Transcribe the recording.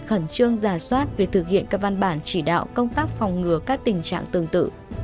khẩn trương giả soát việc thực hiện các văn bản chỉ đạo công tác phòng ngừa các tình trạng tương tự